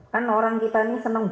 kan orang kita ini senang